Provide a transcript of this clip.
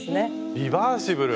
リバーシブル！